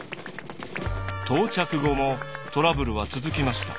到着後もトラブルは続きました。